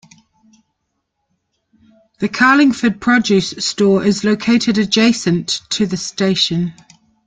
The Carlingford Produce Store is located adjacent to the station.